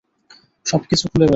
সবকিছু খুলে বলো।